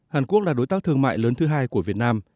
hàn quốc là đối tác thương mại lớn thứ hai của việt nam